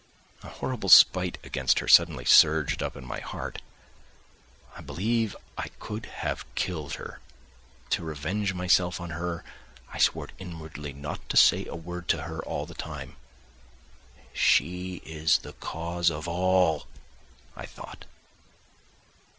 A horrible spite against her suddenly surged up in my heart; I believe I could have killed her. To revenge myself on her I swore inwardly not to say a word to her all the time. "She is the cause of it all," I thought.